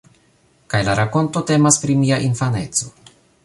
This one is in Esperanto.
Kaj la rakonto temas pri mia infaneco.